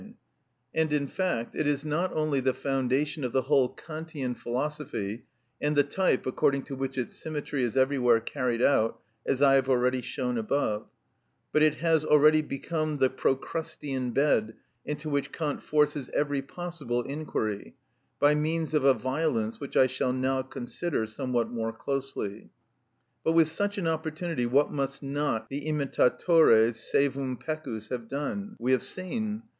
And, in fact, it is not only the foundation of the whole Kantian philosophy and the type according to which its symmetry is everywhere carried out, as I have already shown above, but it has also really become the procrustean bed into which Kant forces every possible inquiry, by means of a violence which I shall now consider somewhat more closely. But with such an opportunity what must not the imitatores servum pecus have done! We have seen.